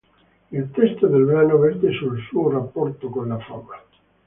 Il testo del brano verte sul suo rapporto con la fama.